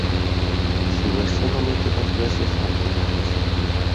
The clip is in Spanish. Su versión omite dos versos originales.